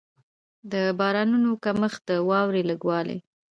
د بارانونو کمښت، د واورې لږ والی.